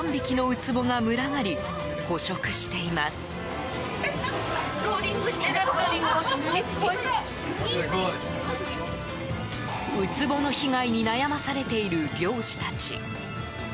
ウツボの被害に悩まされている漁師たち。